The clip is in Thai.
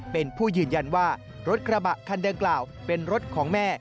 เป็นผู้ยืนยันว่ารถกระบะคันดังกล่าวเป็นรถของแม่